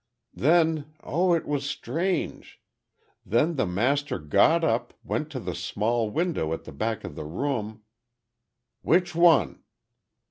"Then—oh, it was strange! Then the master got up, went to the small window at the back of the room—" "Which one?"